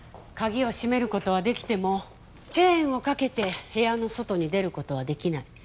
鍵をしめる事はできてもチェーンを掛けて部屋の外に出る事はできない。